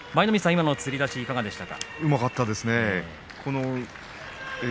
今のつり出し、いかがでしたか。